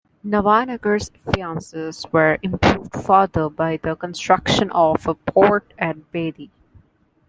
Nawanagar's finances were improved further by the construction of a port at Bedi.